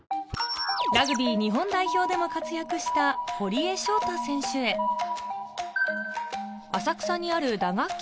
ラグビー日本代表でも活躍した堀江翔太選手へ浅草にある打楽器